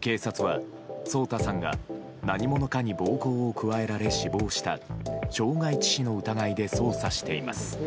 警察は、颯太さんが何者かに暴行を加えられ死亡した傷害致死の疑いで捜査しています。